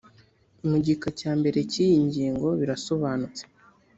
mu gika cya mbere cy iyi ngingo birasobanutse